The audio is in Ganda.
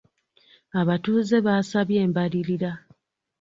Abatuuze baasabye embalirira.